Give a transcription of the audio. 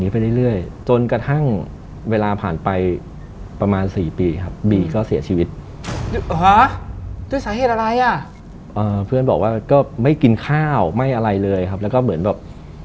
เป็นข้าวไม่อะไรเลยครับแล้วก็เหมือนแบบ